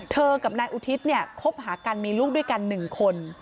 กับนายอุทิศเนี่ยคบหากันมีลูกด้วยกัน๑คน